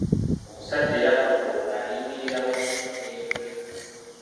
Omusajja eyabba Mulumba yayingirirawo ensiko ne yeekweka.